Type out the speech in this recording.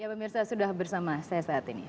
ya pemirsa sudah bersama saya saat ini